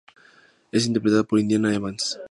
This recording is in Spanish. Es interpretada por Indiana Evans.